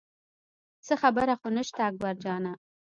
څه خبره خو نه شته اکبر جانه.